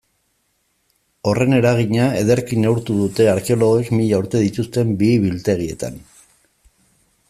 Horren eragina ederki neurtu dute arkeologoek mila urte dituzten bihi-biltegietan.